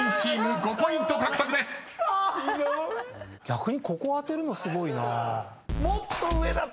逆にここ当てるのすごいな。